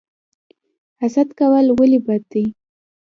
حسد کول ولې بد دي؟